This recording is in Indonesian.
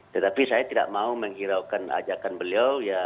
tetapi saya tidak mau menghiraukan ajakan beliau ya